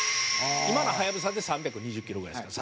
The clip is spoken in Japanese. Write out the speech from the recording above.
今のはやぶさで３２０キロぐらいですから最高。